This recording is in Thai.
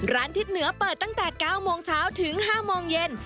ทิศเหนือเปิดตั้งแต่๙โมงเช้าถึง๕โมงเย็น